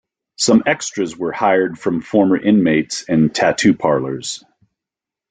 Some extras were hired from former inmates and tattoo parlors.